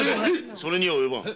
それにはおよばん。